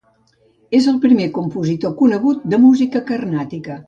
És el primer compositor conegut de música carnàtica.